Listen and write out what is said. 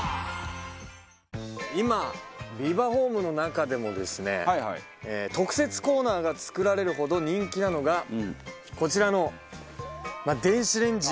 今ビバホームの中でもですね特設コーナーが作られるほど人気なのがこちらの。